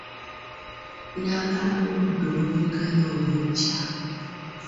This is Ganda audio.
Nnampala w’oludda oluvuganya omuggya.